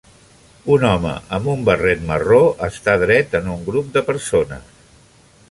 Un home amb un barret marró està dret en un grup de persones.